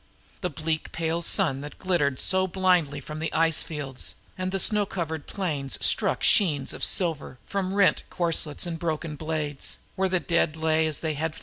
The pale bleak sun that glittered so blindingly from the ice fields and the snow covered plains struck sheens of silver from rent corselet and broken blade, where the dead lay in heaps.